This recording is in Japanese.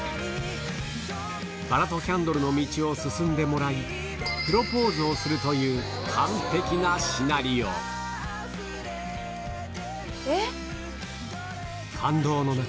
バラとキャンドルの道を進んでもらいプロポーズをするという完璧なシナリオ感動の中